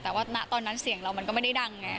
แต่ว่าณตอนนั้นเสียงเรามันก็ไม่ได้ดังไง